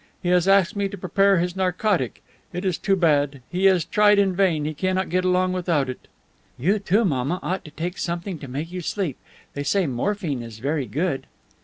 He has asked me to prepare his narcotic. It is too bad. He has tried in vain, he cannot get along without it." "You, too, mamma, ought to take something to make you sleep. They say morphine is very good."